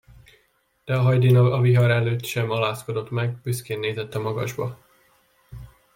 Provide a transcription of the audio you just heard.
De a hajdina a vihar előtt sem alázkodott meg, büszkén nézett a magasba.